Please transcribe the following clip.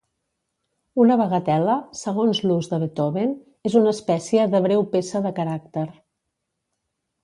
Una bagatel·la, segons l'ús de Beethoven, és una espècie de breu peça de caràcter.